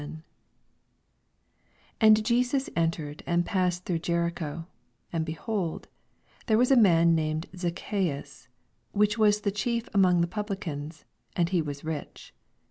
1 And Jttvs enteied and passed trough Jericho. 2 And, behold, tlvert was a man named Zaochsens. which was the chief among the Publicans, and he was rich.